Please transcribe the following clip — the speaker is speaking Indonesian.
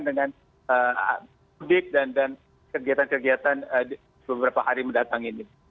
dengan mudik dan kegiatan kegiatan beberapa hari mendatang ini